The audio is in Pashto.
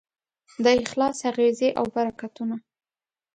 د اخلاص اغېزې او برکتونه